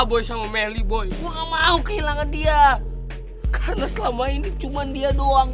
boy sama melly boy kehilangan dia karena selama ini cuman dia doang